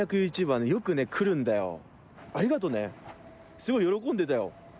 すごい喜んでたよ。